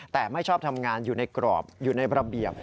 แต่ไม่ชอบทำงานอยู่ในกรอบอยู่ในระเบียบ